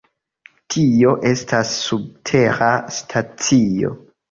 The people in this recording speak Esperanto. Tio estas subtera stacio.